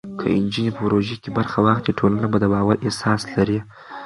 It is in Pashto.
که نجونې په پروژو کې برخه واخلي، ټولنه د باور احساس لري.